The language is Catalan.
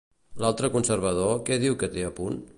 L'altre conversador què diu que té a punt?